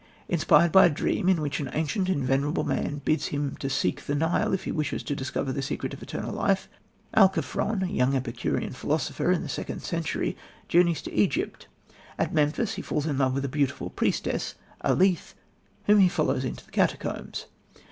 Inspired by a dream, in which an ancient and venerable man bids him seek the Nile if he wishes to discover the secret of eternal life, Alciphron, a young Epicurean philosopher of the second century, journeys to Egypt. At Memphis he falls in love with a beautiful priestess, Alethe, whom he follows into the catacombs.